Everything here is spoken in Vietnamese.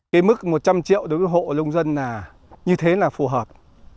cái mức một trăm linh triệu đối với hộ lông dân là như thế là phù hợp